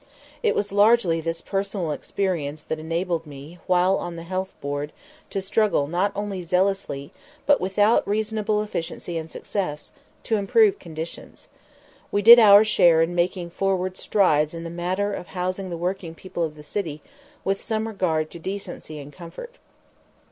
It was largely this personal experience that enabled me while on the Health Board to struggle not only zealously, but with reasonable efficiency and success, to improve conditions. We did our share in making forward strides in the matter of housing the working people of the city with some regard to decency and comfort.